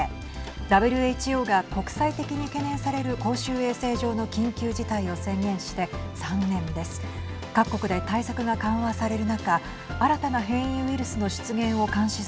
ＷＨＯが国際的に懸念される公衆衛生上の緊急事態を宣言して３年です。